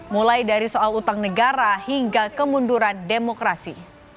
mulai dari soal utang negara hingga kemunduran demokrasi